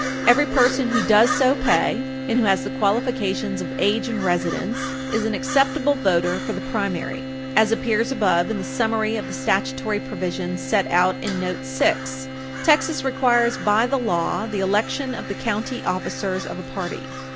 Every person who does so pay and who has the qualifications of age and residence is an acceptable voter for the primary. Art. 2955. As appears above in the summary of the statutory provisions set out in note 6 Texas requires by the law the election of the county officers of a party.